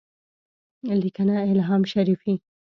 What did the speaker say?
-لیکنه: الهام شریفي